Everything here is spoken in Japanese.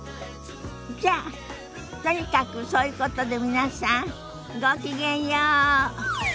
じゃあとにかくそういうことで皆さんごきげんよう。